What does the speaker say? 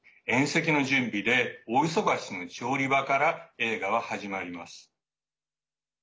宴席の準備で大忙しの調理場から映画は始まります。